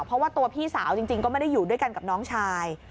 เพราะว่าตัวพี่สาวจริงก็ไม่ได้อยู่ด้วยกันกับน้องชาย